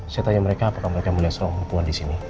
saya tanya mereka apakah mereka melihat seorang perempuan di sini